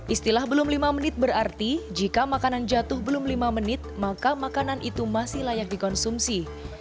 istilah belum lima menit berarti jika makanan jatuh belum lima menit maka makanan itu masih layak dikonsumsi